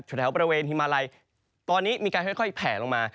แถวบริเวณฮิมาลัยตอนนี้มีการค่อยแผลลงมา